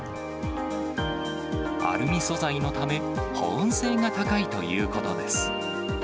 アルミ素材のため、保温性が高いということです。